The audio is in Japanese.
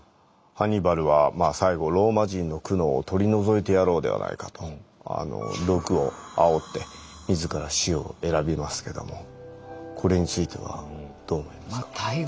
ハンニバルは最後「ローマ人の苦悩を取り除いてやろうではないか」と毒をあおって自ら死を選びますけどもこれについてはどう思いますか？